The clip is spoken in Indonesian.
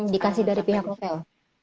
dikasih dari pihak hotel